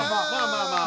まあまあ。